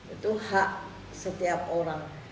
itu hak setiap orang